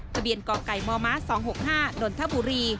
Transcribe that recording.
ทะเบียนกไก่มม๒๖๕นนทบุรี